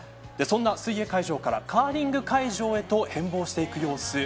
そんな水泳会場からカーリング会場へと変貌していく様子